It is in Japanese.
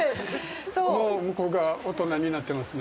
もう向こうが大人になってますね。